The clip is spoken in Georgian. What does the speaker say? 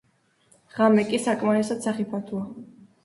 ღამე კი საკმარისად სახიფათოა.